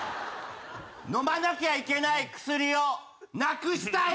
飲まなきゃいけない薬をなくしたよ！